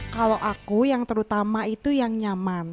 kalau aku yang terutama itu yang nyaman